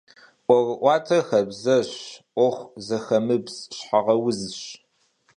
'Uerı'uater xabzejş. 'Uexu zexemıbz şheğeuzş.